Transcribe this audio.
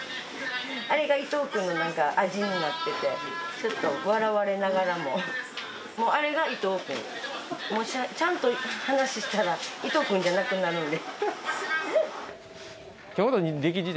あれが伊藤くんのなんか味になっててちょっと笑われながらもあれが伊藤くん。ちゃんと話したら伊藤くんじゃなくなるんで。